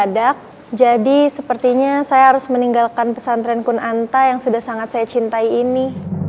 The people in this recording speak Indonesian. dan mendadak jadi sepertinya saya harus meninggalkan pesantren kun'anta yang sudah sangat saya cintai ini